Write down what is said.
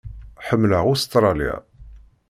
Ḥemmleɣ Ustṛalya.